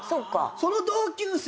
その同級生